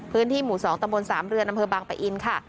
พื้นที่หมู่๒ตำบล๓เรือนอำเภอบางปะอินค่ะ